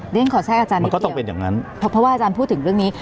เรียนขอแทรกอาจารย์มันก็ต้องเป็นอย่างนั้นเพราะว่าอาจารย์พูดถึงเรื่องนี้